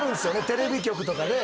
テレビ局とかで。